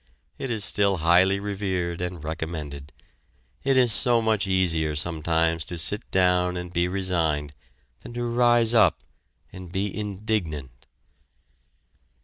It is still highly revered and commended. It is so much easier sometimes to sit down and be resigned than to rise up and be indignant.